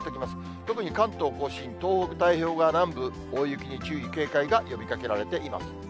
特に関東甲信、東北太平洋側、南部、大雪に注意警戒が呼びかけられています。